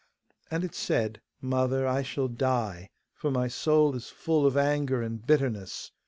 And it said, 'Mother, I shall die, for my soul is full of anger and bitterness.